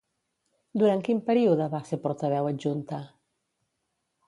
Durant quin període va ser portaveu adjunta?